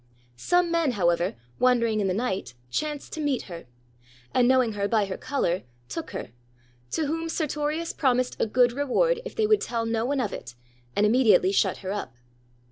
Some men, however, wandering in the night, 428 THE WHITE HIND OF SERTORIUS chanced to meet her, and knowing her by her color took her; to whom Sertorius promised a good reward if they would tell no one of it and immediately shut her up.